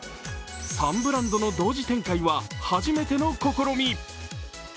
３ブランドの同時展開は初めての試み。